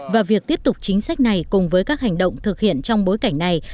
và việc tiếp tục chính sách này cùng với các hành động thực hiện trong bối cảnh này